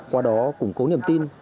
qua đó củng cố niềm tin